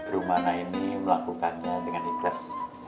rumana ini melakukannya dengan ikhlas